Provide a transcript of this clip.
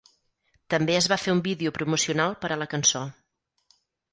També es va fer un vídeo promocional per a la cançó.